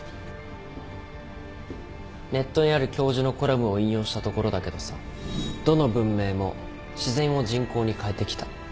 ネットにある教授のコラムを引用したところだけどさどの文明も自然を人工に変えてきた。